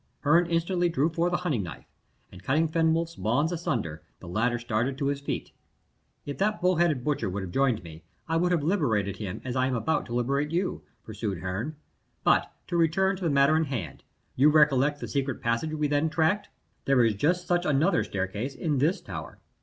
Heme instantly drew forth a hunting knife, and cutting Fenwolf's bonds asunder, the latter started to his feet. "If that bull headed butcher would have joined me, I would have liberated him as I am about to liberate you," pursued Herne. "But to return to the matter in hand. You recollect the secret passage we then tracked? There is just such another staircase in this tower."